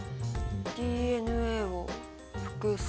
ＤＮＡを複製？